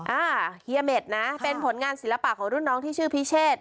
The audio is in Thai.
อ่าเฮียเม็ดนะเป็นผลงานศิลปะของรุ่นน้องที่ชื่อพิเชษ